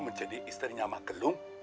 menjadi istrinya magelung